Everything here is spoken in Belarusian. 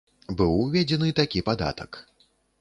Быў уведзены такі падатак.